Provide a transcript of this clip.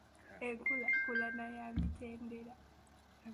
Enkulaakulana ya mitendera.